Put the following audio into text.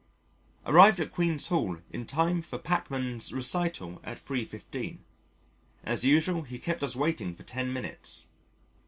Arrived at Queen's Hall in time for Pachmann's Recital at 3.15.... As usual he kept us waiting for 10 minutes.